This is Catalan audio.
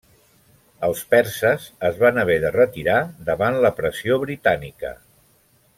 Els perses es van haver de retirar davant la pressió britànica.